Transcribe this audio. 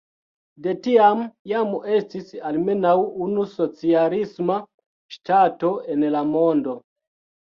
De tiam jam estis almenaŭ unu socialisma ŝtato en la mondo.